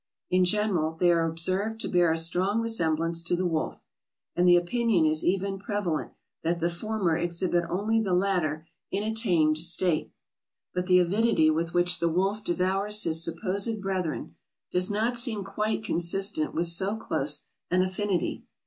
In general they are observed to bear a strong resemblance to the wolf, and the opinion is even prev alent that the former exhibit only the latter in a tamed state; but the avidity with which the wolf devours his supposed breth ren does not seem quite consistent with so close an affinity.